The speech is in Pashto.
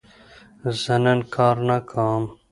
زه نن کار نه کوم.